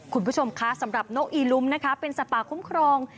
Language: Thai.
คุณผู้ชมคะสำหรับนกอีลุมนะคะเป็นสัตว์ป่าคุ้มครอง